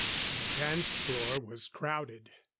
] The dance floor was crowded.